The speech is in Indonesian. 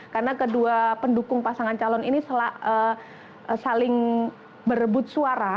karena kedua pendukung pasangan calon ini saling berebut suara